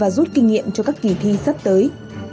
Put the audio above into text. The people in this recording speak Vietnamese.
và rút kinh nghiệm cho các kỳ thi sắp tới